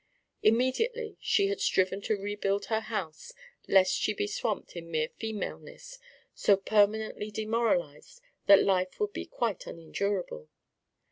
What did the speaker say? Immediately she had striven to rebuild her house lest she be swamped in mere femaleness, so permanently demoralised that life would be quite unendurable.